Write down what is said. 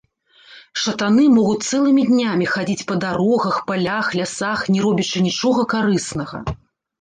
Шатаны могуць цэлымі днямі хадзіць па дарогах, палях, лясах, не робячы нічога карыснага.